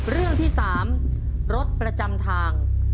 เรื่องที่๓รถประจำทาง